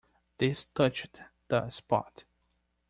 This touched the spot.